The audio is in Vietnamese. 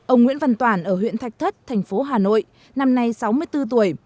ông nguyễn văn toản ở huyện thạch thất thành phố hà nội năm nay sáu mươi bốn tuổi